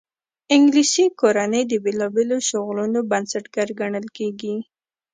انګلیسي کورنۍ د بېلابېلو شغلونو بنسټګر ګڼل کېږي.